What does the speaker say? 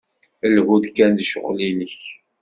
Lhu-d kan s ccɣel-nnek.